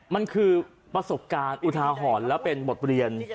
มันคือประสบการณ์อุทาหรณ์และเป็นบทเรียน